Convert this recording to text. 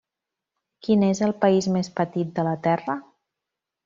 Quin és el país més petit de la Terra?